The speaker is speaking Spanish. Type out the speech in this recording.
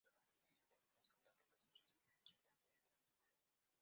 Su familia eran devotos católicos y recibió una estricta crianza de su madre.